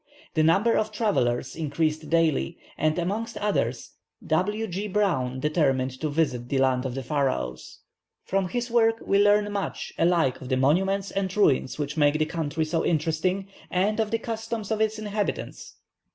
The number of travellers increased daily, and amongst others W. G. Browne determined to visit the land of the Pharaohs. From his work we learn much alike of the monuments and ruins which make this country so interesting, and of the customs of its inhabitants.